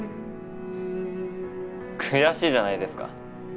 悔しいじゃないですか。